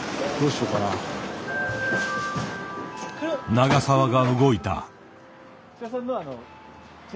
永澤が動いた。